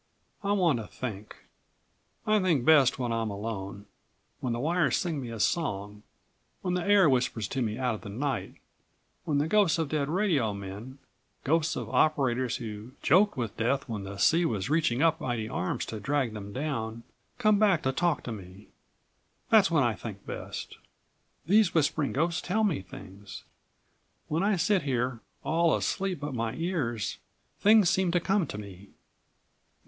I want to think. I think best when I'm alone; when the wires sing me a song; when the air whispers to me out of the night; when the ghosts of dead radio men, ghosts of operators who joked with death when the sea was reaching up mighty arms to drag them down, come back to talk to me. That's when I think best. These whispering ghosts tell me things. When I sit here all, asleep but my ears, things seem to come to me."